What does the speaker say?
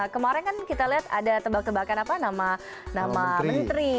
kemarin kan kita lihat ada tebak tebakan apa nama menteri